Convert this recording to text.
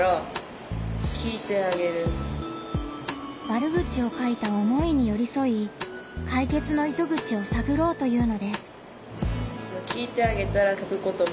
悪口を書いた思いによりそい解決の糸口を探ろうというのです。